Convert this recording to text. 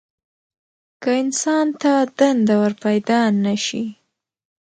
که انسان ته دنده ورپیدا نه شي.